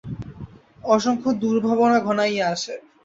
অসংখ্য দুর্ভাবনা ঘনাইয়া আসে।